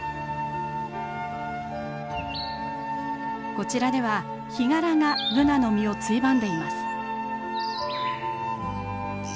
こちらではヒガラがブナの実をついばんでいます。